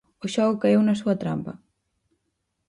O xogo caeu na súa trampa.